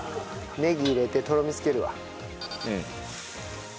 ネギ入れてとろみつけるわ。